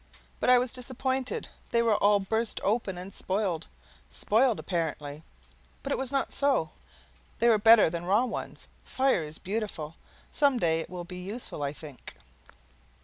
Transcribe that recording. But I was disappointed; they were all burst open and spoiled. Spoiled apparently; but it was not so; they were better than raw ones. Fire is beautiful; some day it will be useful, I think.